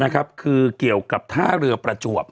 คือเกี่ยวกับท่าเรือประจวบ